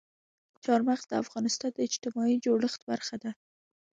چار مغز د افغانستان د اجتماعي جوړښت برخه ده.